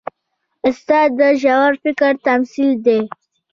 استاد د ژور فکر تمثیل دی.